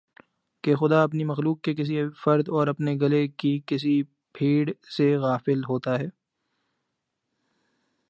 کہ خدا اپنی مخلوق کے کسی فرد اور اپنے گلے کی کسی بھیڑ سے غافل ہوتا ہے